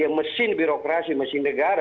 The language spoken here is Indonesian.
yang mesin birokrasi mesin negara